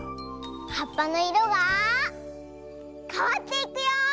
はっぱのいろがかわっていくよ！